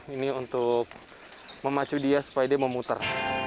ini untuk memacu dia supaya dia memutar